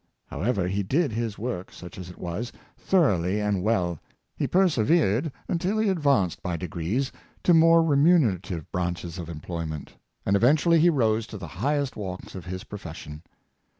" However, he did his work, such as it was^ thoroughly and well; he persevered until he advanced by degrees to more remunerative branches of employment, and eventually he rose to the highest walks of his profession.